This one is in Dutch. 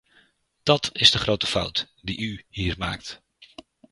Dat is de grote fout die u hier maakt.